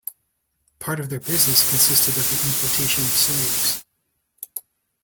Part of their business consisted of the importation of slaves.